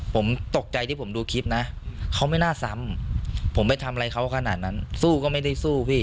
ผมตกใจที่ผมดูคลิปนะเขาไม่น่าซ้ำผมไปทำอะไรเขาขนาดนั้นสู้ก็ไม่ได้สู้พี่